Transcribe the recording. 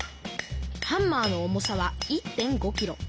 ハンマーの重さは１．５キロ。